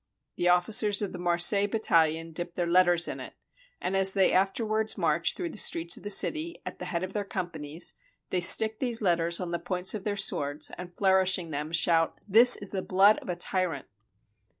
The officers of the Marseilles battalion dip their letters in it, and as they afterwards march through the streets of the city at the head of their companies, they stick these letters '^'on the points of their swords, and, flourishing them, shout: "This is the blood of a tyrant!"